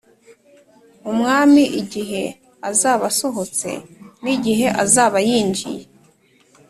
umwami igihe azaba asohotse n igihe azaba yinjiye